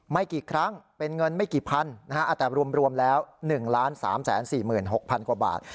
ไม่กี่ครั้งเป็นเงินไม่กี่พันนะฮะแต่รวมแล้ว๑๓๔๖๐๐๐กว่าบาท